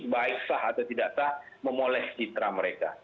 baik sah atau tidak sah memoles citra mereka